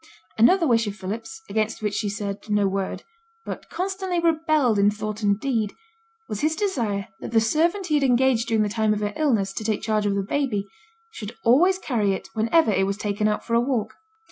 Another wish of Philip's, against which she said no word, but constantly rebelled in thought and deed, was his desire that the servant he had engaged during the time of her illness to take charge of the baby, should always carry it whenever it was taken out for a walk.